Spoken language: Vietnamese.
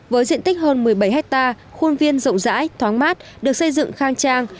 với diện tích hơn một mươi bảy hectare khuôn viên rộng rãi thoáng mát được xây dựng khang trang